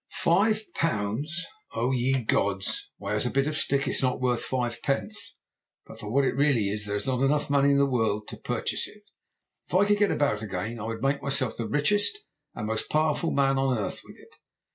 "'Five pounds! O ye gods! Why, as a bit of stick it's not worth five pence, but for what it really is there is not money enough in the world to purchase it. If I could get about again I would make myself the richest and most powerful man on earth with it.